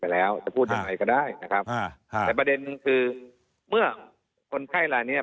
แล้วจะพูดอย่างไรก็ได้นะครับแต่ประเด็นคือเมื่อคนไข้รายละเนี่ย